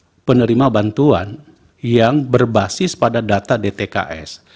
untuk penerima bantuan yang berbasis pada data dtks